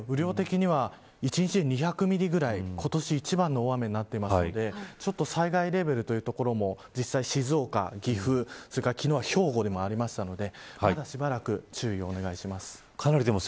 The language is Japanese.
雨量的には１日に２００ミリぐらい今年一番の大雨になっているのでちょっと災害レベルというところも実際に静岡や岐阜昨日は兵庫もあったのでまだ、しばらく注意をお願いします。